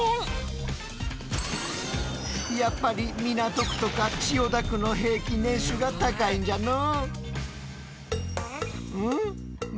やっぱり港区とか千代田区の平均年収が高いんじゃのう。